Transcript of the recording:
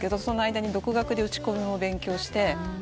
その間に独学で打ち込みを勉強して。